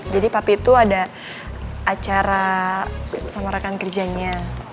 jadi papi itu ada acara sama rekan kerjanya